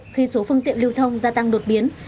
khi số phương tiện lưu thông gia tăng đột biến